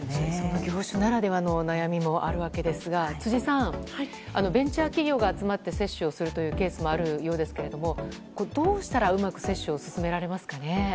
業種ならではの悩みもあるわけですが辻さん、ベンチャー企業が集まって接種するというケースもあるようですがどうしたらうまく接種を進められますかね。